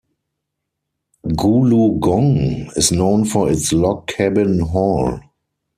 Gooloogong is known for its log cabin hall.